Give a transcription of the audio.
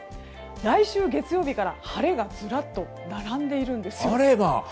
来週月曜日から晴れがずらっと並んでいるんですよ。